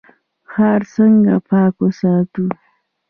ښار څنګه پاک وساتو؟